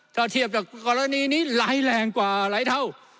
ถ้าเทียบจากกรณีนี้ร้ายแรงกว่าหลายเท่า